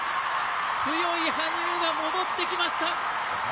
強い羽生が戻ってきました。